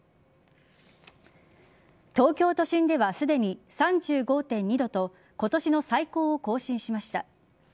東京都心ではすでに３５．２度と今年の最高を更新しました。